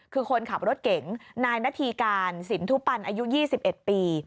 คือคนขับรถเก๋งนายนาธีการสินทุปันอายุ๒๑ปี